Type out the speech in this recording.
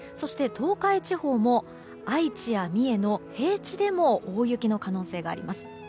東海地方も愛知や三重の平地でも大雪の可能性があります。